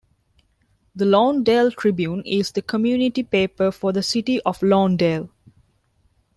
The Lawndale Tribune is the community paper for the City of Lawndale.